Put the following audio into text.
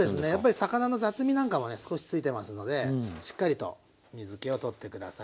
魚の雑味なんかもね少しついてますのでしっかりと水けを取って下さい。